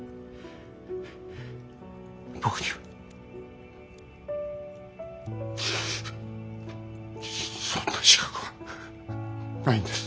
僕にはそんな資格はないんです。